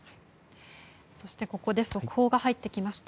そして、ここで速報が入ってきました。